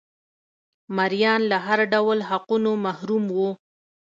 مریان له هر ډول حقونو محروم وو.